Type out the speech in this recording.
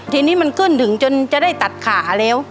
ทีนี้มันขึ้นถึงจนจะได้ตัดขาแล้ว